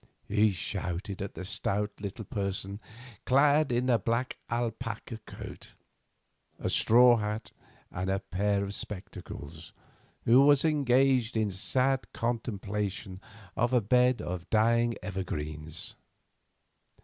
he shouted at a stout little person clad in a black alpaca coat, a straw hat, and a pair of spectacles, who was engaged in sad contemplation of a bed of dying evergreens.